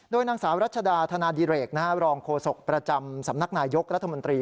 โดยนางสาวรัชดาธนาดิเรกรองโฆษกประจำสำนักนายยกรัฐมนตรี